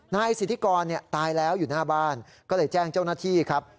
นายสิทธิกรตายแล้วอยู่หน้าบ้านก็เลยแจ้งเจ้าหน้าที่ครับ